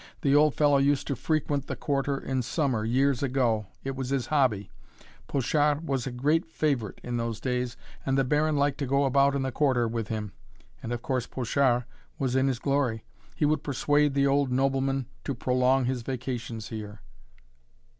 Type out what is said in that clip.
The old fellow used to frequent the Quarter in summer, years ago it was his hobby. Pochard was a great favorite in those days, and the Baron liked to go about in the Quarter with him, and of course Pochard was in his glory. He would persuade the old nobleman to prolong his vacation here.